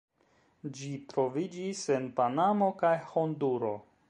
Ĝi troviĝis en Panamo kaj Honduro.